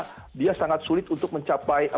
kemudian juga bagaimana dia sangat sulit untuk mencapai